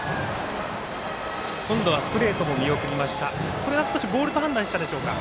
これはボールと判断したでしょうか。